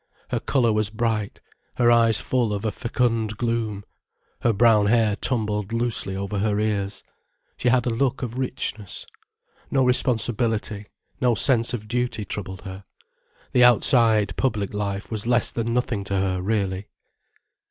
Her colour was bright, her eyes full of a fecund gloom, her brown hair tumbled loosely over her ears. She had a look of richness. No responsibility, no sense of duty troubled her. The outside, public life was less than nothing to her, really.